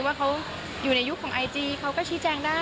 ว่าเขาอยู่ในยุคของไอจีเขาก็ชี้แจงได้